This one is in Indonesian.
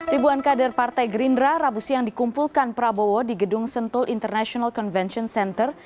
ribuan kader partai gerindra rabu siang dikumpulkan prabowo di gedung sentul international convention center